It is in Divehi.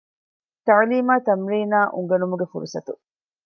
ތަޢުލީމާއި ތަމްރީނާއި އުނގެނުމުގެ ފުރުޞަތު